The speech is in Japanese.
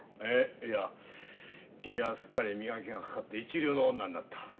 えいや君はすっかり磨きがかかって一流の女になった。